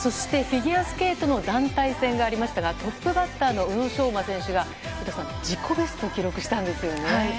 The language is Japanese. フィギュアスケートの団体戦がありましたがトップバッターの宇野昌磨選手が自己ベストを記録したんですよね。